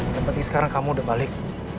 yang penting sekarang kamu udah balik